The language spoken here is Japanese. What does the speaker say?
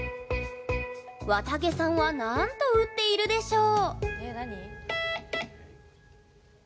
わたげさんはなんと打っているでしょう？